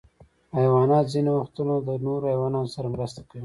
حیوانات ځینې وختونه د نورو حیواناتو سره مرسته کوي.